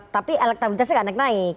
tapi elektabilitasnya nggak naik naik